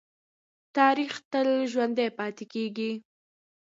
تاریخ تل ژوندی پاتې کېږي.